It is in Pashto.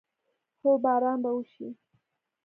هو، باران به وشي